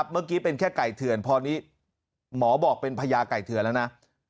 เมื่อกี้เป็นแค่ไก่เถื่อนพอนี้หมอบอกเป็นพญาไก่เถื่อนแล้วนะ